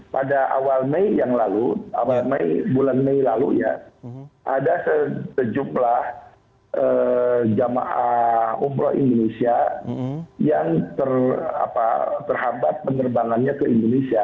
pada awal mei yang lalu bulan mei lalu ya ada sejumlah jamaah umroh indonesia yang terhambat penerbangannya ke indonesia